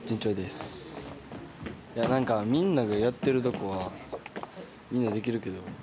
いやなんかみんながやってるとこはみんなできるけど。